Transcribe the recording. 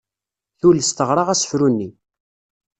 Tules teɣra asefru-nni.